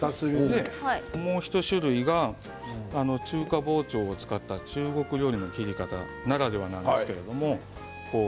もう１種類は中華包丁を使った中国料理の切り方ならではなんですけれども。